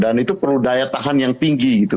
dan itu perlu daya tahan yang tinggi gitu